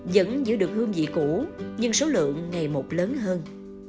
vẫn giữ được hương vị cũ nhưng số lượng ngày một lớn hơn